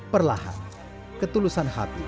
perlahan ketulusan hati